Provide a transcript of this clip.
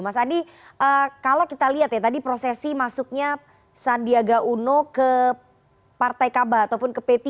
mas adi kalau kita lihat ya tadi prosesi masuknya sandiaga uno ke partai kabah ataupun ke p tiga